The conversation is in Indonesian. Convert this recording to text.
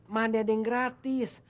mana ada yang gratis